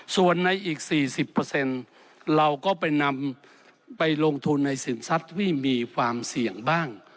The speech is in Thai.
ส่วนในอีก๔๐เราก็ไปนำไปลงทุนในสินทรัพย์ที่มีความเสี่ยงบ้าง